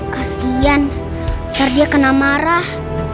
kasian karena dia kena marah